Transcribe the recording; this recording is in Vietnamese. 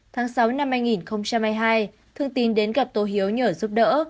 tháng sáu năm hai nghìn hai mươi hai thương tín đến gặp tô hiếu nhờ giúp đỡ